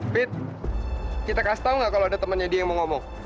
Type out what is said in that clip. fit kita kasih tau gak kalau ada temannya dia yang mau ngomong